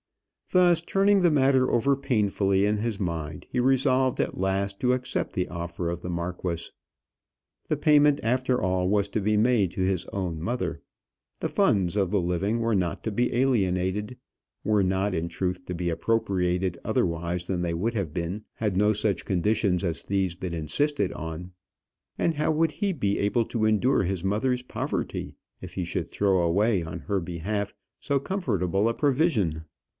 Thus turning the matter over painfully in his mind, he resolved at last to accept the offer of the marquis. The payment after all was to be made to his own mother. The funds of the living were not to be alienated were not, in truth, to be appropriated otherwise than they would have been had no such conditions as these been insisted on. And how would he be able to endure his mother's poverty if he should throw away on her behalf so comfortable a provision?